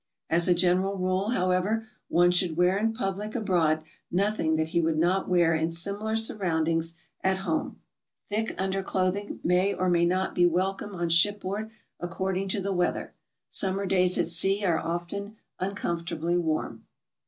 As a general rule, however, one should wear in public abroad nothing that he would not wear in similar surroundings at home. ' Thick underclothing may or may not be welcome on shipboard, according to the weather. Summer days at sea are often uncomfortably warm.